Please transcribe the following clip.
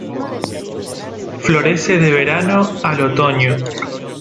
Florece de verano al otoño.